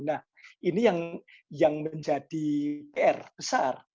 nah ini yang menjadi pr besar